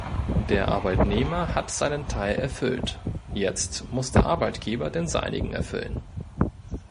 Der Arbeitnehmer hat seinen Teil erfüllt, jetzt muss der Arbeitgeber den seinigen erfüllen.